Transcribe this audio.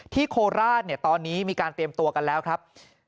โคราชตอนนี้มีการเตรียมตัวกันแล้วครับ